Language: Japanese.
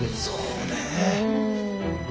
そうねえ。